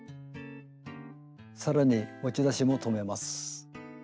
更に持ち出しも留めます。